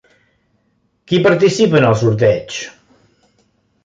Qui participa en el sorteig?